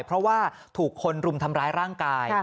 เพราะว่าถูกคนรุมทำร้ายร่างกาย